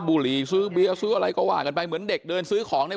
บุรีซื้อเบียร์ซื้ออะไรก็ว่ากันไปเหมือนเด็กเดินซื้อของใน